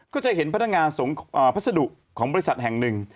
ก็จะเห็นพนักงานส่งพัสดุของบริษัทแห่งหนึ่ง